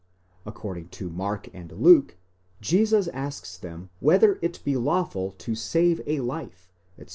According to Mark and Luke, Jesus asks them whether it be dazw/fud to save life, etc.